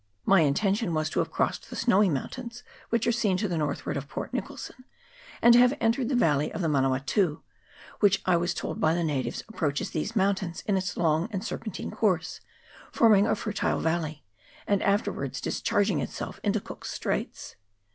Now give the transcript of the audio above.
My intention was to have crossed the snowy mountains which are seen to the northward of Port Nicholson, and to have entered the valley of the Manawatu, which I was told by the natives approaches those mountains in its long and serpentine course, forming a fertile valley, and afterwards discharging itself into Cook's Straits.